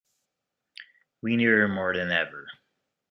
We need her more than ever